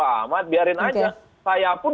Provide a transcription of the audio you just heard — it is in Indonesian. amat biarin aja saya pun